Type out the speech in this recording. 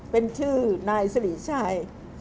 เป็นชื่อนายสิริชัย